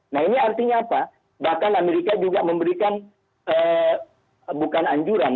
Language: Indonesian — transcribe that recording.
nah ini artinya apa bahkan amerika juga memberikan bukan anjuran